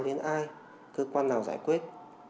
đến ai cơ quan nào giải quyết